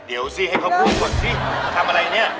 เดี๋ยวสิให้เขาพูดก่อนสิมาทำอะไรเนี่ย